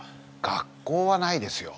学校はないですよ。